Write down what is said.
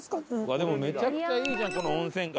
でもめちゃくちゃいいじゃんこの温泉街。